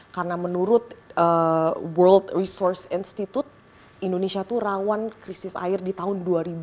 karena menurut world resource institute indonesia itu rawan krisis air di tahun dua ribu empat puluh